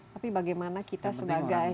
tapi bagaimana kita sebagai